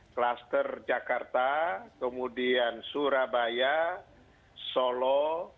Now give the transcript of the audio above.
kluster jakarta kemudian surabaya solo